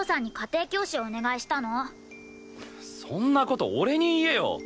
そんな事俺に言えよ！